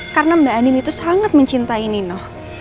karena mbak andin itu sangat mencintai nino